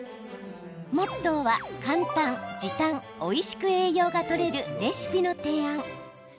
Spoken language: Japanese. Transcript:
モットーは簡単、時短おいしく栄養がとれるレシピの提案。